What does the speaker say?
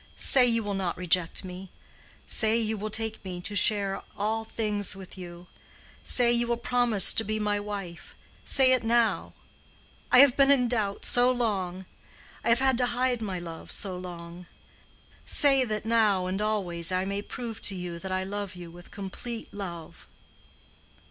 Say you will not reject me—say you will take me to share all things with you. Say you will promise to be my wife—say it now. I have been in doubt so long—I have had to hide my love so long. Say that now and always I may prove to you that I love you with complete love."